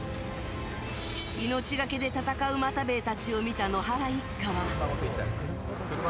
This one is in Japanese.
命がけで戦う又兵衛たちを見た野原一家は。